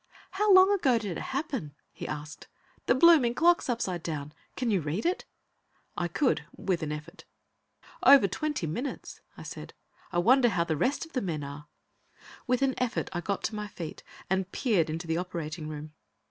"How long ago did it happen?" he asked. "The blooming clock's upside down; can you read it?" I could with an effort. "Over twenty minutes," I said. "I wonder how the rest of the men are?" With an effort, I got to my feet and peered into the operating room.